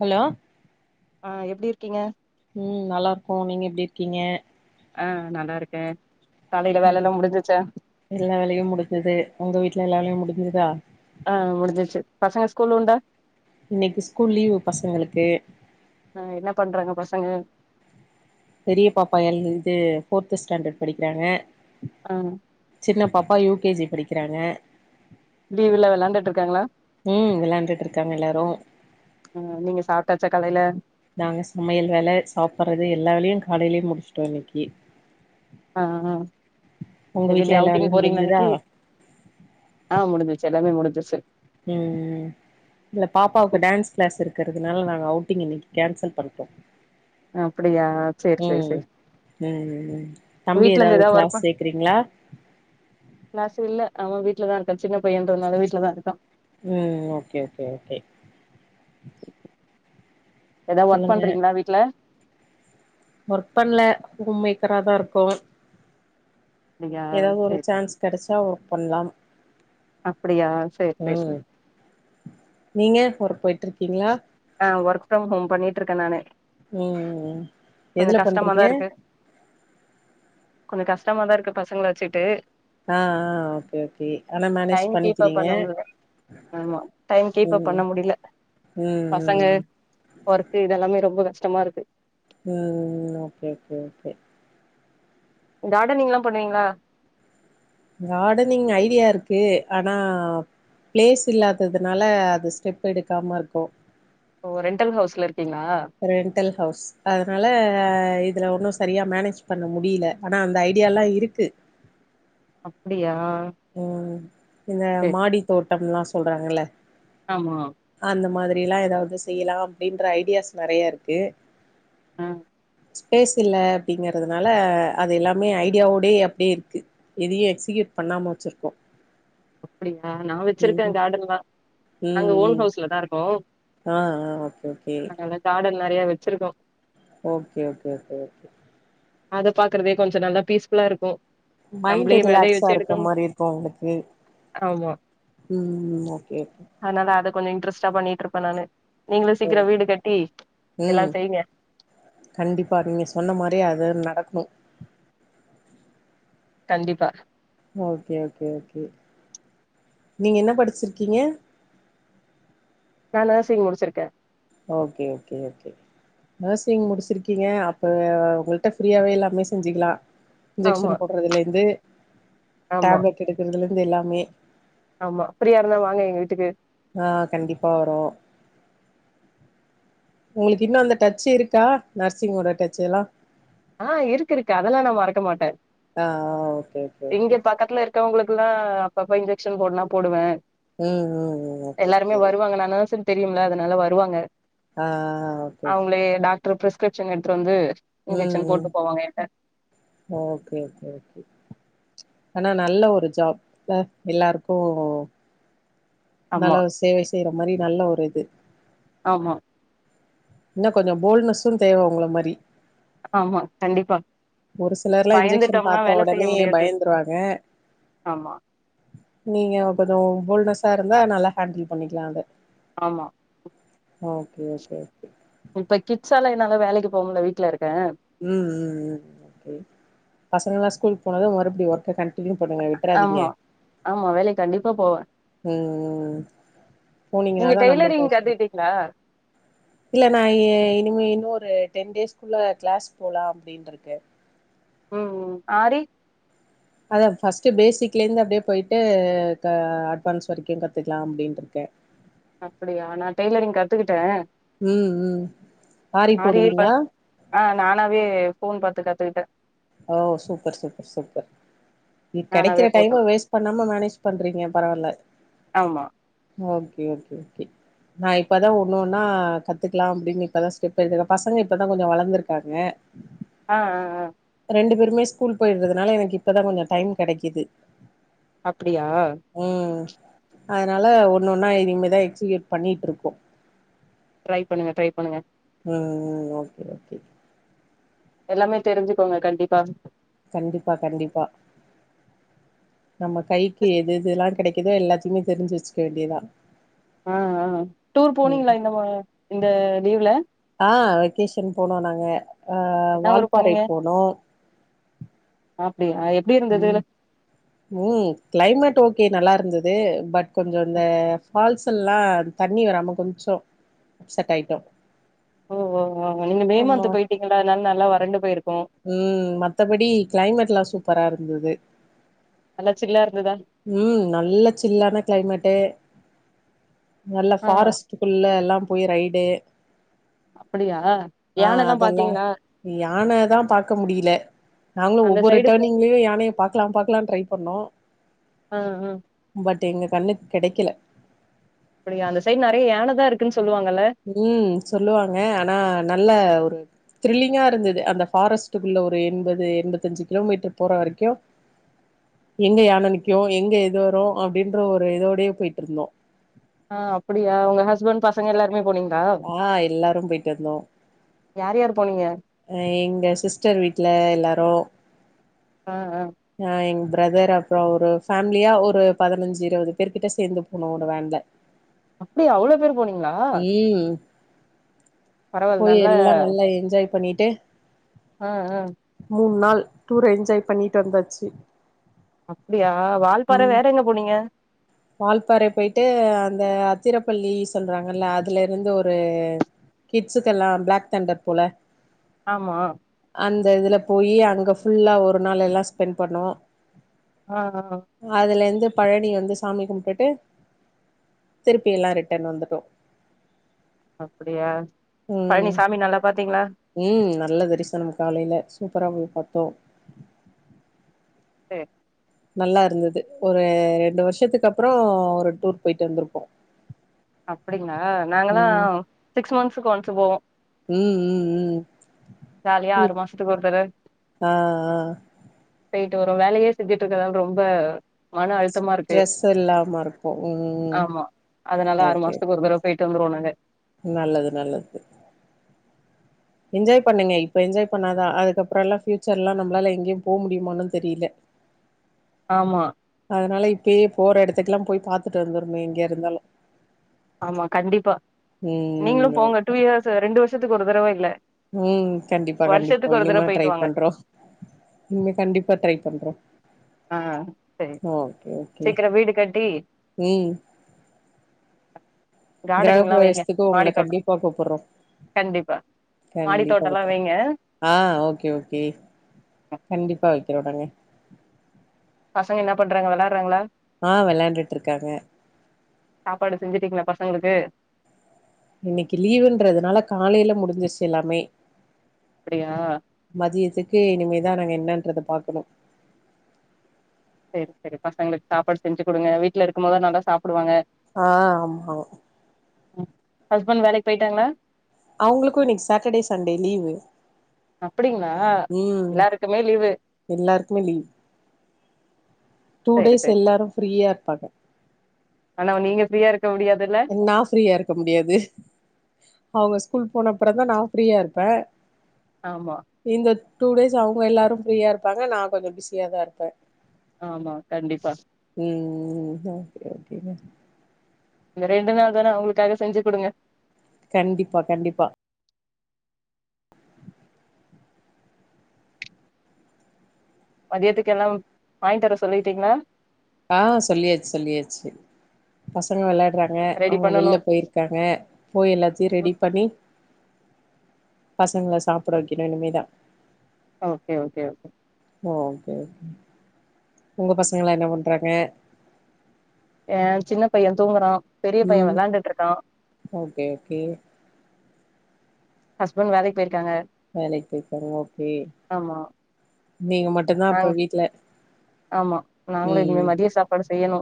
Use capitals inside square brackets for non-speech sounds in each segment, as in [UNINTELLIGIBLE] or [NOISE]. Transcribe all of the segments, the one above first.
Hello ஆ எப்டி இருக்கீங்க ம் நல்லா இருக்கோ, நீங்க எப்டி இருக்கீங்க? ஆ நல்லா இருக்கே காலைல வேல ம் எல்லா முடிஞ்சிச்சா எல்லா வேலையு முடிஞ்சுது உங்க வீட்ல எல்லா வேலையு முடிஞ்சதா ஆ முடிஞ்சிருச்சு பசங்க ஸ்கூல் உண்டா இன்னைக்கி ஸ்கூல் லீவு பசங்களுக்கு ஆ என்ன பண்றாங்க பசங்க பெரிய பாப்பா எல் இது ஃபோர்த் ஸ்டாண்டர்ட் படிக்கிறாங்க ஆ சின்னப்பாப்பா யூ கே ஜி படிக்கிறாங்க லீவுல வெளாண்டுட்டு இருக்காங்களா ம் வெளையாண்டுட்டு இருக்காங்க எல்லாரு ம் நீங்க சாப்ட்டாச்சா கலைல நாங்க சமையல் வேல சாப்புட்றது எல்லா வேலயு காலைலே முடிச்சுட்டோ இன்னைக்கி ஆஆ உங்க இப்ப வெளிய வீட்ல எல்லா ஔட்டிங் வேலையு போறிங்ளா முடிஞ்சுதா இன்னைக்கி ஆ முடிஞ்ச்சு எல்லாமே முடிஞ்சிருச்சு ம் ம் இல்ல பாப்பாவுக்கு டான்ஸ் கிளாஸ் இருக்கிறதுனால நாங்க அவுட்டிங் இன்னைக்கி கேன்சல் பண்டோ. அப்டியா சேரி சேரி சேரி ம் ம் தம்பி வீட்ல இருந்து ஏதாவது ஒர்க் கிளாஸ் பண் சேக்றீங்ளா கிளாஸ் இல்ல அவ வீட்லதா இருக்கா சின்ன பையன்றனால வீட்லதா இருக்கா ம் ஓகே ஓகே ஓகே எதா ஒர்க் சொல்லுங்க பண்றிங்ளா வீட்ல ஒர்க் பண்ல ஹோம் மேக்கராதா இருக்கோ அப்டியா ஏதாவது ஒரு சேரி சேரி சான்ஸ் கெடச்சா ஒர்க் பண்ணலா அப்டியா சேரி பேசுவோ நீங்க ஒர்க் போய்ட்டு இருக்கீங்ளா ஆ ஒர்க் ஃப்ரம் ஹோம் பண்ணிட்டு இருக்க நானு ம் ம் ம் கொஞ்சோ எதுல பண்றீங்க கஷ்டமாதா கொஞ்ச கஷ்டமாதா இருக்கு பசங்கள வச்சுட்டு ஆ ஆ ஓகே ஓகே ஆனா மேனேஜ் டைம் கீப்பப் பண்ணிக்கிறீங்க பண்ண முடில ஆமா டைம் கீப்பப் ம் பண்ண முடியல பசங்க ம் ம் ஒர்க்க இதெல்லாமே ரொம்ப கஷ்டமா இருக்கு ம் ஓகே ஓகே ஓகே கார்டனிங்லா பண்ணுவீங்களா கார்டனிங் ஐடியா இருக்கு ஆனா ப்ளேஸ் இல்லாததுனால அது ஸ்டெப் எடுக்காம இருக்கோ ஓ ரெண்டல் ஹவுஸ்ல இருக்கீங்ளா ரென்டல் ஹவுஸ் அதனால இதுல ஒன்னு சரியா மேனேஜ் பண்ண முடியல ஆனா அந்த ஐடியாலல்லா இருக்கு அப்டியா ம் இந்த சேரி மாடி தோட்டம்ல்லா சொல்றாங்கல ஆமா அந்த மாதிரிலா ஏதாவது செய்யலா அப்படின்ற ஐடியாஸ் நெறையா இருக்கு ஆ ஸ்பேஸ் இல்ல அப்டிங்றதுனால அது எல்லாமே ஐடியாவோடே அப்டியே இருக்கு எதையு எக்ஸிக்யூட் பண்ணாம வச்சிருக்கோ அப்டியா நா ம் வச்சிருக்கே கார்டன்லா நாங்க ம் ஓன் ம் ஹவுஸ்லதா இருக்கோ ஆ ஆ ஓகே ஓகே காடன் நெறைய வச்சிருக்கோ ஓகே ஓகே ஓகே ஓகே அத பாக்குறதே கொஞ்ச நல்லா பீஸ்புல்லா இருக்கு மைண்ட் நம்பளே வெளைய ரிலாக்ஸா வச்சு இருக்க எடுக்கணு மாரி இருக்கு உங்களுக்கு ஆமா ம் ஓகே ஓகே அதனால அத கொஞ்ச இன்ட்ரெஸ்ட்டா பண்ணிட்ருப்பே நானு நீங்களு ஓ சீக்கிர வீடு கட்டி எல்லா ம் செய்ங்க கண்டிப்பா நீங்க சொன்ன மாரியே அது நடக்கணு கண்டிப்பா ஓகே ஓகே ஓகே நீங்க என்ன படிச்சிருக்கீங்க நா நர்சி்ங் முடிச்சிருக்கே ஓகே ஓகே ஓகே நர்சிங் முடிச்சிருக்கீங்க அப்ப உங்கள்ட்ட ஃப்ரீயாவே எல்லாமே செஞ்சுக்கலா ஆமா இன்ஜெக்ஷன் போடுறதுலேந்து ஆமா டேப்லெட் எடுக்கிறதுலருந்து எல்லாமே ஆமா ஃப்ரியா இருந்தா வாங்க எங்க வீட்டுக்கு ஆ கண்டிப்பா வருவோ உங்களுக்கு இன்னு அந்த டச்சு இருக்கா நர்சிங்கோட டச்ச எல்லா ஆ இருக்கு இருக்கு அதெல்லா நா மறக்க மாட்டே ஆ ஓகே ஓகே இங்க ஓகே பக்கத்துல இரு மத்தவங்களுக்கெல்லா அப்பப்ப இன்ஜெக்ஷன் போட்னா போடுவே ம் ம் ம் ஓகே எல்லாருமே ஓகே வருவாங்க நா என்ன செ தெரியும்ல அதனால வருவாங்க ஆ ஓகே ஓகே அவங்களே டாக்டர் ப்ரிஸ்கிரிப்ஷன் எடுத்துட்டு வந்து ம் டன் ம் போட்டு போவங்க ஏன்ட்ட ஓகே ஓகே ஓகே ஆனா நல்ல ஒரு ஜாப் ல எல்லாருக்கு நல்ல ஆமா ஒர் சேவை செய்யற மாரி நல்ல ஒரு இது ஆமா இன்னு கொஞ்சோ போல்னஸ்ஸு தேவ உங்கள மாரி ஆமா கண்டிப்பா ஒரு சிலர்லா இன்ஜெக்ஷன் பயந்துட்டோம்னா பாத்த வேல செய்ய ஒடனே முடியாது பயந்துருவாங்க ஆமா நீங்க கொஞ்சோ போல்னஸ்ஸா இருந்தா நல்லா ஹேண்டில் பண்ணிக்கலா அத ஆமா ஓகே ஓகே ஓகே இப்ப கிட்ஸால என்னால வேலைக்கு போ முட்ல வீட்ல இருக்கே ம் ம் ம் ஓகே பசங்கல்லா ஸ்கூல் போனாதா மறுபடி ஒர்க்க கன் ட்டினியூ பண்ணுங்க விட்றாதிங்க ஆமா ஆமா வேலைக்கு கண்டிப்பா போவே ம் ம் போனீங்கனாதா நம்ப பேசலா ல்ல இல்ல நா இ இனிமே இன்னோரு டென் டேஸ்க்குள்ள கிளாஸ் போலா அப்டின்ட்ருக்கே ம் ம் ஆரி அதா ஃபஸ்ட்டு பேஸிக்லேர்ந்து அப்டியே போய்ட்டு க அட்வான்ஸ் வரைக்கு கத்துக்கலா அப்டின்ட்ருக்கே அப்படியா நா டெய்லரிங் கத்துக்கிட்டே ம் ம் ஆரி போடுவீங்ளா ஆ நானாவே ஃபோன் பத்து கத்துக்கிட்டே ஓ சூப்பர் சூப்பர் சூப்பர் நீ நானாவே கெடைக்கிற போட்டு டைம வேஸ்ட் பண்ணாம மேனேஜ் பண்றீங்க பரவால்ல ஆமா ஓகே ஓகே ஓகே நா இப்பதா ஒன்னொன்னா கத்துக்கலா அப்டின்னு இப்பதா ஸ்டெப் எடுக்கறே பசங்க இப்ப தா கொஞ்சோ வளந்திருக்காங்க ஆ ஆ ஆ ரெண்டு பேருமே ஸ்கூல் போய்ட்றதுனால எனக் இப்பதா கொஞ்சோ டைம் கெடைக்குது அப்பிடியா ம் அதுனால ஒன்னு ஒன்னா இனிமேதா எக்ஸிகியூட் பண்ணிட்ருக்கோ ட்ரை பண்ணுங்க ட்ரை பண்ணுங்க ம் ம் ஓகே ஓகே எல்லாமே தெரிஞ்சுக்கோங்க கண்டிப்பா கண்டிப்பா கண்டிப்பா நம்ம கைக்கு எது எதெல்லா கெடைக்குதோ எல்லாத்தையுமே தெரிஞ்சு வெச்சுக்க வேண்டியதா ஆ ஆ டூர் ம் போனீங்ளா இந்த மா இந்த லீவ்ல ஆ வெக்கேஷன் போனோ நாங்க அ என்ன ஊரு வால்பாறை போனீங்க போனோ [INAUDIBLE] அப்டியா எப்டி இருந்தது ம் ம் க்ளைமெட் ஓகே நல்லார்ந்தது பட் கொஞ்சோ இந்த ஃபால்ஸ் எல்லா தண்ணி வராம கொஞ்சோ அப்செட் ஆய்ட்டோ ஓ ஓ நீங்க மே மன்த்து போய்ட்டீங்கல்ல அதுனால் நல்லா வறண்டு போயிர்க்கு ம் மத்தபடி க்ளைமெட்லா சூப்பரா இருந்தது நல்லா சில்லா இருந்துதா ம் நல்ல சில்லான க்ளைமெட்டு நல்ல ஆ ஃபாரஸ்ட் டுக்குள்ள எல்லா போய் ரைடு அப்டியா ஆ யானல்லா அதெல்லா பாத்தீங்களா யான தா பாக்க முடியில நாங்களு அந்த ஒவ்வொரு சைடு ஃபு டர்னிங்லயு யானைய பாக்கலா பாக்கலா ட்ரை பண்ணோ ஆ ஆ பட் எங்க கண்ணுக்கு கெடைக்கில அப்டியா அந்த சைடு நெறைய யானதா இருக்குன்னு சொல்லுவாங்கல்லா ம் சொல்லுவாங்க ஆனா நல்ல ஒரு த்ரில்லிங்கா இருந்தது அந்த ஃபாரஸ்ட்டுக்குள்ள ஒரு என்பது என்பத்தஞ்சு கிலோமீட்டரு போற வரைக்கியு எங்க யான நீக்கி எங்க எது வரு அப்டின்ற ஒரு இதோடயே போய்ட்டு இருந்தோ ஆ அப்டியா உங்க ஹஸ்பண்ட் பசங்க எல்லாருமே போனீங் ஆ எல்லாரு போய்ட்டு வந்தோ யாரு யார் போனீங்க அ எங்க சிஸ்டர் வீட்டில எல்லாரு ஆ ஆ ஆ எங்க பிரதர் அப்றோ ஒரு ஃபேமிலியா ஒரு பதினஞ்சு இருவது பேர்க்கிட்ட சேந்து போனு ஒரு வேன்ல அப்டி அவ்ளோ பேருக் ம் பரவால்ல போய் நல்ல எல்லா நல்லா என்ஜாய் பண்ணிட்டு ஆ ஆ மூண் நாள் டூர என்ஜாய் பண்ணிட்டு வந்தாச்சு அப்டியா வால்பாற வேற எங்க போனீங்க வால்பறை போட்டு அந்த அத்திரப்பள்ளி சொல்றாங்கல்ல அதுல இருந்து ஒரு கிட்ஸுக்கெல்லா பிளாக் தண்டர் போல ஆமா அந்த இதில போய் அங்க ஃபுல்லா ஒரு நாள் எல்லா ஸ்பெண்ட் பண்ணோ ஆ ஆ அதுலேந்து பழனி வந்து சாமி கும்ட்டுட்டு திருப்பியெல்லா ரிட்டன் வந்துட்டோ அப்டியா ம் பழனி சாமி நல்லா பாத்தீங்களா ம் நல்ல தரிசனம் காலயில சூப்பரா போய் பாத்தோ [UNINTELLIGIBLE] நல்லா இருந்தது ஒரு ரெண்டு வருஷத்துக்கு அப்றோ ஒரு டூர் போய்ட்டு வந்திருக்கோ அப்டிங்களா நாங்களா ம் சிக்ஸ் மந்த்ஸ்க்கு ஒன்ஸ்ஸு போவோ ம் ம் ம் ஜாலியா ஆறு இப் மாசத்துக்கு ஒரு தட ஆ ஆ போய்ட்டு வரோ வேலயே செஞ்சுட்டு இருக்கதால ரொம்ப மன அழுத் தமா இருக்கு ட்ரெஸ் இல்லாம இருக்கு ம் ம் ஆமா அதனால ஆறு ஓகே மாசத்துக்கு ஒரு தடவ போய்ட்டு வந்துருவோ நாங்க நல்லது நல்லது என்ஜாய் பண்ணுங்க இப்ப என்ஜாய் பண்ணாதா அதுக்கப்பறோ எல்லா ஃபியூச்சர்லா நம்பளால எங்கேயு போ முடியுமானு தெரியில ஆமா அதனால இப்பயே போற எடத்துக்கு எல்லா போய் பாத்துட்டு வந்துற்னு எங்க இருந்தாலு ஆமா கண்டிப்பா நீங்களு ம் போங்க ஓகே டூ இயர்ஸ்ஸு ரெண்டு வருஷத்துக்கு ஒரு தடவ இல்ல ம் கண்டிப்பா கண்டிப்பா வருஷத்துக்கு ஒரு தடவ இனிமே ட்ரை போயிட்டு வாங்க பண்றோ இனிமே கண்டிப்பா ட்ரை பண்றோ ஆ செரி ஓகே ஓகே சீக்கர வீடு கட்டி ம் கிரக கார்டனிங்லா வைங்க பிரவேசத்துக்கு உங்கள மாடி தோட்டோ கண்டிப்பா கூப்புட்றோ கண்டிப்பா கண்டிப்பா மாடித்தோட்டம்லா கூப்புட்றோ வைங்க ஆ ஓகே ஓகே கண்டிப்பா வைக்கிறோ நாங்க பசங்க ன்னு பண்றாங்க வெளாட்றாங்ளா ஆ வெளாண்டுட்டுருக்காங்க சாப்பாடு செஞ்சிட்டீங்களா பசங்களுக்கு இன்னைக்கு லீவுன்றதுனால காலைல முடிஞ்சுறுச்சு எல்லாமே அப்டியா மதியத்துக்கு இனிமேதா நாங்க என்னன்றத பாக்கணு செரி செரி பசங்களுக்கு சாப்பாடு செஞ்சு கொடுங்க வீட்ல இருக்கும் போதா நல்லா சாப்டுவாங்க ஆ ஆமா ஹஸ்பண்ட் வேலைக்கு போயிட்டாங்ளா அவ்ங்களுக்கு இன்னிக்கு சாட்டர்டே சண்டே லீவு அப்டிங்களா ம் எல்லாருக்குமே லீவு எல்லாருக்குமே லீவு டூ செரி டேஸ் செரி எல்லாரும் ஃப்ரீயா இருப்பாங்க ஆனா நீங்க ஃப்ரீயா இருக்க முடியாதுல்ல நா ஃப்ரீயா இருக்க முடியாது அவங்க ஸ்கூல் போனப்புறந் தா நா ஃப்ரீயா இருப்பே ஆமா இந்த டூ டேஸ் அவங்க எல்லாரு ஃப்ரீயா இருப்பாங்க நா கொஞ்சோ பிஸியா தா இருப்பே ஆமா கண்டிப்பா ம் ம் ஆ செரி ஓகேங்க இந்த ரெண்டு நாள் தானே அவ்ங்களுக்காக செஞ்சி குடுங்க கண்டிப்பா கண்டிப்பா மதியத்துக்கு எல்லாம் வாங்கி தர சொல்லிட்டீங்ளா ஆஹ் சொல்லியாச் சொல்லியாச்சி பசங்க வெளயாட்றாங்க ஹே ரெடி அவ்ங்க பண்ணணு வெள்ல போயிருக்காங்க போய் எல்லாத்தையு ரெடி பண்ணி பசங்கள சாப்ட வெக்கணு இனிமேதா okay okay okay okay okay உங்க பசங்கள என்ன பண்றாங்க ஏ சின்ன பைய தூங்கறா பெரிய பையன ம் விளாண்டுட்டுருக்கா ஓகே ஓகே ஹஸ்பண்ட் வேலைக்கு போயிருக்காங்க வேலைக்கு போயிருக்காங்க ஓகே ஆமா நீங்க மட் டுந்தா நாங்க அப்ப வீட்ல ஆமா நாங்களு இனிமே உம் மதிய சாப்பாடு செய்யணு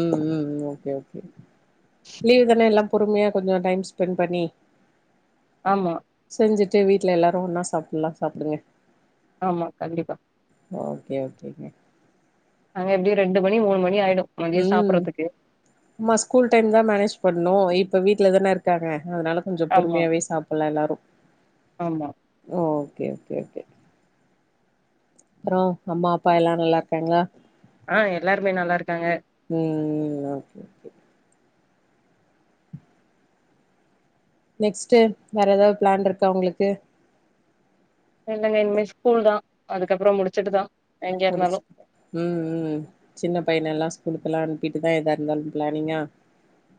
ம் ம் ஓகே ஓகே லீவ் தானே எல்லா பொறுமையா கொஞ்சம் டைம் ஸ்பெண்ட் பண்ணி ஆமா செஞ்சிட்டு வீட்ல எல்லாரு ஒன்னா சாப்ல்லா சாப்டுங்க ஆமா கண்டிப்பா ஓகே ஓகேங்க நாங்க எப்டியு ரெண்டு மணி மூனு மணி ஆயிடும் ம் ஆமா ஸ்கூல் டைம் தானே மேனேஜ் பண்ணு இப்ப வீட்ல தானே இருக்காங்க அதனால கொஞ்சம் பொறுமையாவே சாப்பல்லா எல்லாரும் ஆம்மா ஓகே ஓகே ஓகே அப்றோ அம்மா அப்பா எல்லா நல்லா இருக்காங்ளா ஆஹ் எல்லாருமே நல்லா இருக்காங்க ம் ம் ஓகே ஓகே நெக்ஸ்ட்டு வேற ஏதாவது பிளான் இருக்கா உங்களுக்கு [UNINTELLIGIBLE] ஸ்கூல் தா அதுக்கப்பறம் முடிச்சுட்டுதா எங்க முடிச்சு இருந்தாலு ம் ம் சின்ன பையன் எல்லா ஸ்கூலுக்கல்லா அனுப்பிட்டுதான் எதா இருந்தாலும் பிளானிங்கா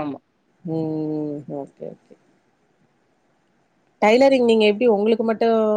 ஆமா ம் ஓகே ஓகே டைலரிங் நீங்க எப்படி உங்களுக்கு மட்டு